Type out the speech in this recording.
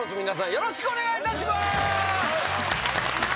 よろしくお願いします。